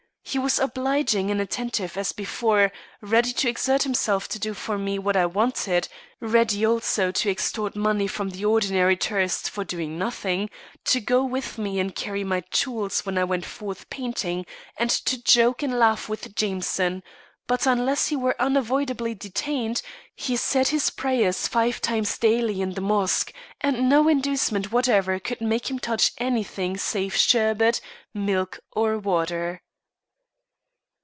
He was obliging and attentive as before, ready to exert himself to do for me what I wanted, ready also to extort money from the ordinary tourist for doing nothing, to go with me and carry my tools when I went forth painting, and to joke and laugh with Jameson; but, unless he were unavoidably detained, he said his prayers five times daily in the mosque, and no inducement whatever would make him touch anything save sherbet, milk, or water.